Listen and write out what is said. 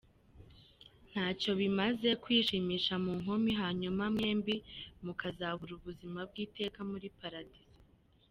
Ntacyo bimaze kwishimisha mu nkumi, hanyuma mwembi mukazabura ubuzima bw’iteka muli paradizo.